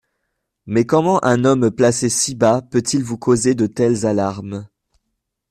Mais comment un homme placé si bas peut-il vous causer de telles alarmes ?